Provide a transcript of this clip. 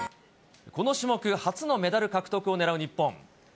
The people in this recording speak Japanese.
この種目初のメダル獲得を狙う日本。